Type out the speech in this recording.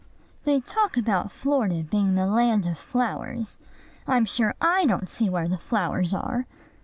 "They talk about Florida being the land of flowers: I'm sure I don't see where the flowers are."